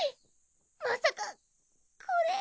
まさかこれ？